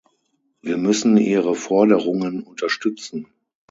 Wir müssen ihre Forderungen unterstützen.